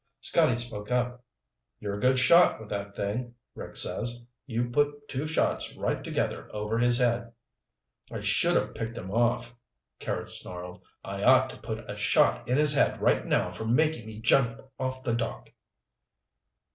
Scotty spoke up. "You're a good shot with that thing, Rick says. You put two shots right together over his head." "I should have picked him off," Carrots snarled. "I ought to put a shot in his head right now for makin' me jump off the dock."